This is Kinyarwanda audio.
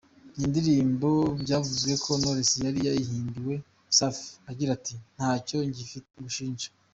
Iyi ndirimbo byavuzwe ko Knowless yari yayihimbiye “Safi” agira ati: “Ntacyo ngifite ngushinja…”.